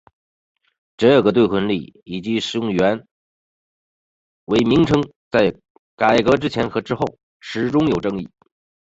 这个兑换率以及使用元为名称在改革之前和之后始终有争议。